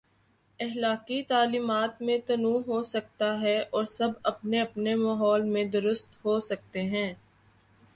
اخلاقی تعلیمات میں تنوع ہو سکتا ہے اور سب اپنے اپنے ماحول میں درست ہو سکتے ہیں۔